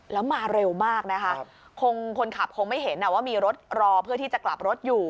แล้วมาเร็วมากนะคะคงคนขับคงไม่เห็นว่ามีรถรอเพื่อที่จะกลับรถอยู่